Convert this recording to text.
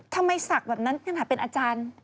ทำไมศักดิ์แบบนั้นก็ถ้าเป็นอาจารย์